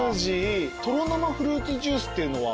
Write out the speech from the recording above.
とろ生フルーツジュースっていうのは？